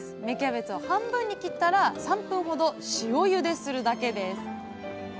芽キャベツを半分に切ったら３分ほど塩ゆでするだけです！